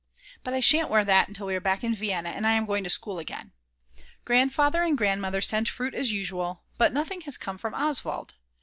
But I shan't wear that until we are back in Vienna and I am going to school again. Grandfather and Grandmother sent fruit as usual, but nothing has come from Oswald.